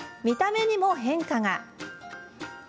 見た目にも変化が！